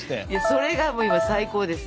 それがもう今最高です。